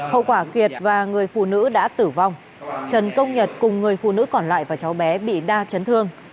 hậu quả kiệt và người phụ nữ đã tử vong trần công nhật cùng người phụ nữ còn lại và cháu bé bị đa chấn thương